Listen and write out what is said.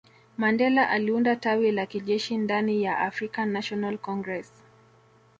Mandela aliunda tawi la kijeshi ndaniya Afrikan national congress